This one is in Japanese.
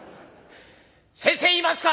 「先生いますか？